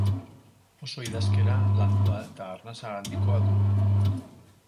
Oso idazkera landua eta arnasa handikoa du.